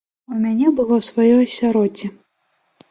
У мяне было сваё асяроддзе.